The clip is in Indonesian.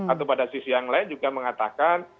atau pada sisi yang lain juga mengatakan